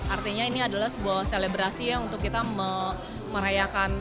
artinya ini adalah sebuah selebrasi ya untuk kita merayakan